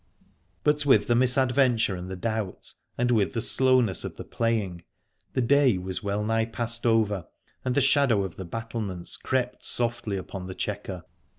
But with the misadventure and the doubt, and with the slowness of the playing, the day was wellnigh passed over, and the shadow of the battlements crept softly upon the chequer.